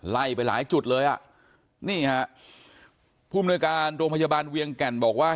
ไล่ไปหลายจุดเลยอ่ะนี่ฮะผู้มนุยการโรงพยาบาลเวียงแก่นบอกว่า